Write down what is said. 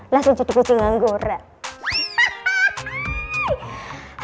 langsung jadi kucing nganggurat